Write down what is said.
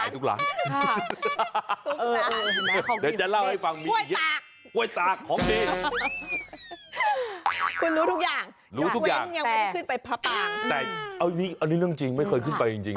แต่อันนี้เรื่องจริงไม่เคยขึ้นไปจริง